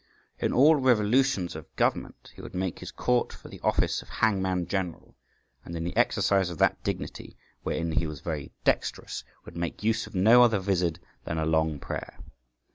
In all revolutions of government, he would make his court for the office of hangman general, and in the exercise of that dignity, wherein he was very dexterous, would make use of no other vizard than a long prayer.